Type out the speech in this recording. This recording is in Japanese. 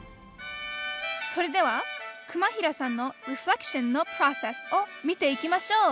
それでは熊平さんのリフレクションのプロセスを見ていきましょう！